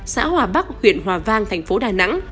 xã hòa bắc huyện hòa vang thành phố đà nẵng